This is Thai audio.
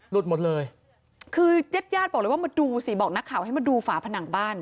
หมดเลยคือญาติญาติบอกเลยว่ามาดูสิบอกนักข่าวให้มาดูฝาผนังบ้าน